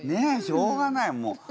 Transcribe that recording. しょうがないもう！